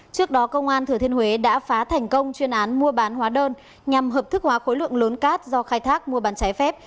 trước đó công an thừa thiên huế đã phá thành công chuyên án mua bán hóa đơn nhằm hợp thức hóa khối lượng lớn cát do khai thác mua bán trái phép